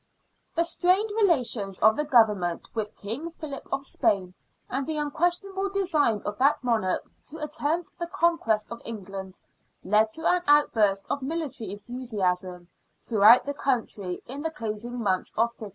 The strained relations of the Government with King Philip of Spain, and the unquestionable design of that monarch to attempt the conquest of England, led to an outburst of military enthusiasm throughout the country in the closing months of 1585.